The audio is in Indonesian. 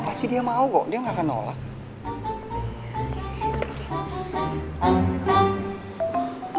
pasti dia mau kok dia nggak akan nolak